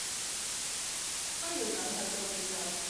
乜原來係仲未走